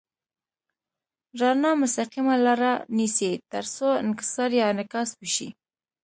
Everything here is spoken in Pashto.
رڼا مستقیمه لاره نیسي تر څو انکسار یا انعکاس وشي.